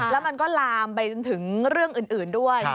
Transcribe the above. แล้วมันก็ลามไปจนถึงเรื่องอื่นด้วย